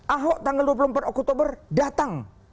ahok tanggal dua puluh empat oktober datang